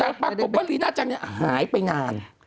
แต่ปรากฏว่าลีน่าจังเนี่ยหายไปนาน